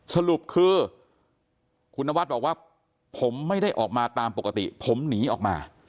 สรุปคือคุณนวัดบอกว่าผมไม่ได้ออกมาตามปกติผมหนีออกมา